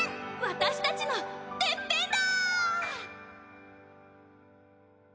私たちのてっぺんだ！